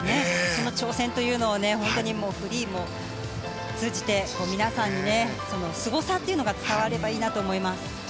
その挑戦をフリーも通じて皆さんにすごさというのが伝わればいいなと思います。